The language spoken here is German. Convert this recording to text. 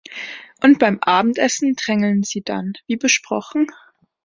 Und beim Abendessen drängeln Sie dann, wie besprochen?